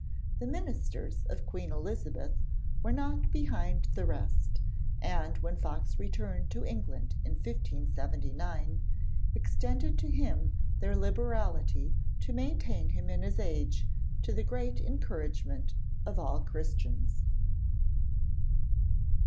The Ministers of Queen Elizabeth were not behind the rest, and, when Fox returned to England in 1579, 'extended to him their liberality to maintain him in his age, to the great encouragement of all Christians.'